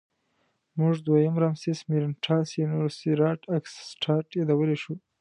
موږ دویم رامسس مېرنټاه سینوسېراټ اګسټاس یادولی شو.